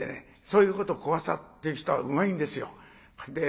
そういうこと小朝っていう人はうまいんですよ。